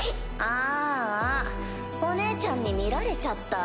あぁあお姉ちゃんに見られちゃった。